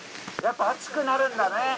やっぱ暑くなるんだね。